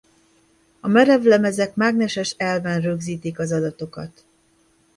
A merevlemezek mágneses elven rögzítik az adatokat.